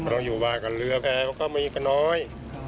ต้องอยู่บ้านกันเหลือแพงก็มีกันน้อย